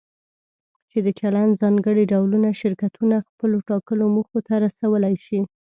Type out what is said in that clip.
چې د چلند ځانګړي ډولونه شرکتونه خپلو ټاکلو موخو ته رسولی شي.